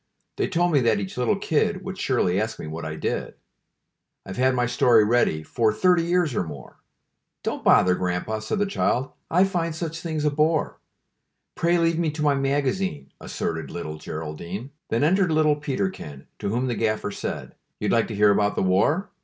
They told me that each little kid Would surely ask me what I did. "I've had my story ready For thirty years or more." "Don't bother, Grandpa," said the child; "I find such things a bore. Pray leave me to my magazine," Asserted little Geraldine. Then entered little Peterkin, To whom the gaffer said: "You'd like to hear about the war?